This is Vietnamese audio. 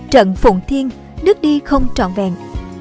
trận phụng thiên nước đi không trọn vẹn